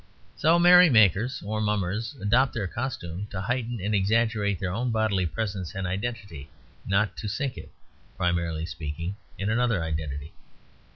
So merry makers (or Mummers) adopt their costume to heighten and exaggerate their own bodily presence and identity; not to sink it, primarily speaking, in another identity.